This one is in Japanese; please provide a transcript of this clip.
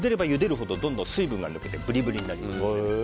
そのほうがどんどん水分が抜けてブリブリになりますので。